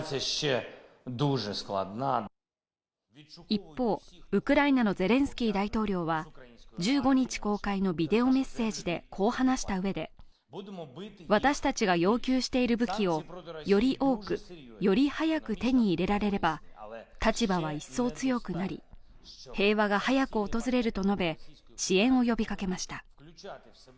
一方、ウクライナのゼレンスキー大統領は、１５日公開のビデオメッセージでこう話したうえで、私たちが要求している武器をより多く、より早く手に入れられれば立場は一層強くなり、平和が早く訪れると述べ、支援を呼びかけました。